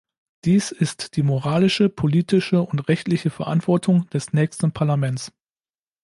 Dies ist die moralische, politische und rechtliche Verantwortung des nächsten Parlaments.